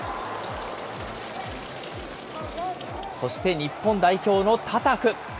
そして日本代表のタタフ。